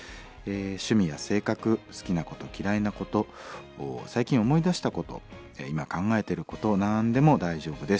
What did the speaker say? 趣味や性格好きなこと嫌いなこと最近思い出したこと今考えていること何でも大丈夫です。